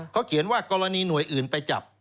เขาเขียนว่ากรณีหน่วยอื่นไปจับ